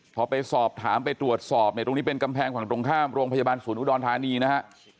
พอไปสอบถามไปตรวจสอบเนี่ยตรงนี้เป็นกำแพงฝั่งตรงข้ามโรงพยาบาลศูนย์อุดรธานีนะฮะ